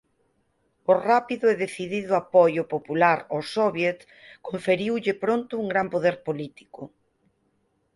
O rápido e decidido apoio popular ao Soviet conferiulle pronto un gran poder político.